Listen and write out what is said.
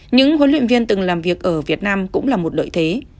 những huấn luyện viên từng làm việc ở việt nam cũng là một lợi thế